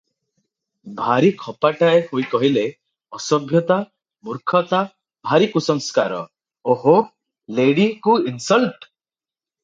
ଭାରି ଖପାଟାଏ ହୋଇ କହିଲେ, "ଅସଭ୍ୟତା, ମୂର୍ଖତା, ଭାରି କୁସଂସ୍କାର! ଓହୋ! ଲେଡ଼ିକୁ ଇନସଲଟ ।"